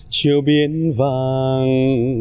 chiều biển vàng